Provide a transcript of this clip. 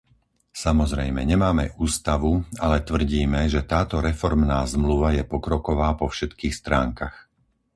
Samozrejme, nemáme ústavu, ale tvrdíme, že táto reformná zmluva je pokroková po všetkých stránkach.